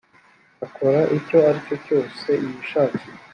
akora icyo ari cyo cyose yishakiye